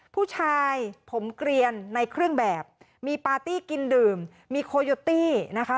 ผู้ชายผมเกลียนในเครื่องแบบมีปาร์ตี้กินดื่มมีโคโยตี้นะคะ